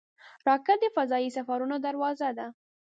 راکټ د فضايي سفرونو دروازه ده